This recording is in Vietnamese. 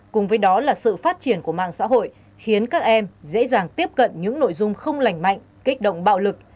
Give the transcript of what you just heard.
cùng với đó là sự phát triển của mạng xã hội khiến các em dễ dàng tiếp cận những nội dung không lành mạnh kích động bạo lực